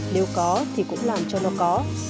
nếu có thì cũng làm cho nó có